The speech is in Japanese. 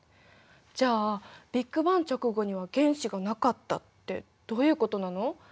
じゃあ「ビッグバン直後には原子がなかった」ってどういうことなの？